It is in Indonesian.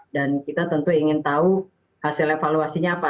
dan kita tentu ingin tahu hasil evaluasinya apa